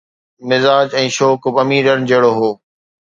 ، مزاج ۽ شوق به اميرن جهڙو هو.